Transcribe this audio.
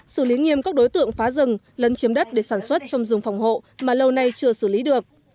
xử lý nghiêm các đối tượng phá rừng lấn chiếm đất để sản xuất trong rừng phòng hộ mà lâu nay chưa xử lý được